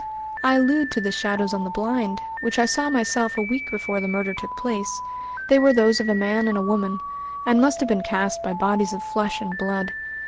"I allude to the shadows on the blind, which I saw myself a week before the murder took place. They were those of a man and a woman, and must have been cast by bodies of flesh and blood.